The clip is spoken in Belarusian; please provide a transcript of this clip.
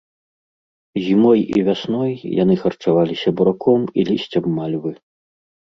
Зімой і вясной яны харчаваліся бураком і лісцем мальвы.